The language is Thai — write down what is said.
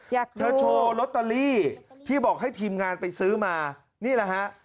เธอโชว์ลอตเตอรี่ที่บอกให้ทีมงานไปซื้อมานี่แหละฮะ